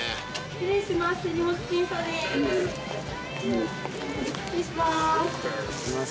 失礼します。